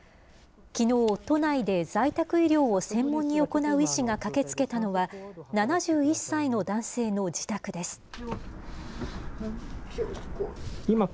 きのう、都内で在宅医療を専門に行う医師が駆けつけたのは、７１歳の男性の自宅です。